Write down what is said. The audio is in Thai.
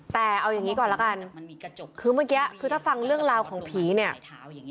แต่เอาอย่างนี้ก่อนละกันคือเมื่อกี้คือถ้าฟังเรื่องราวของผีเนี่ย